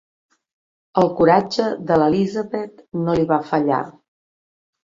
El coratge de l'Elizabeth no li va fallar.